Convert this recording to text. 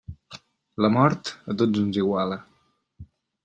La mort, a tots ens iguala.